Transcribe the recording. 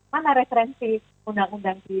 mana referensi undang undang